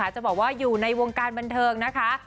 จะบอกว่าอยู่ในวงการบันเทิงนะคะ